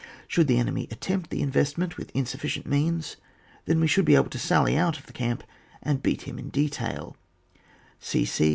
Should the enemy attempt the investment with insufficient means, then we should be able to saUy out of the camp and beat him in detail ec.